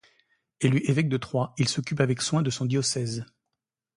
Élu évêque de Troyes, il s'occupe avec soin de son diocèse.